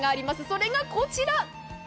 それがこちら。